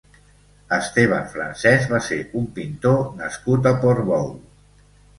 Esteban Francés va ser un pintor nascut a Portbou.